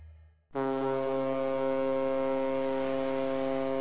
うん。